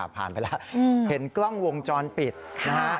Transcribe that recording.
ผ่านไปแล้วเห็นกล้องวงจรปิดนะฮะ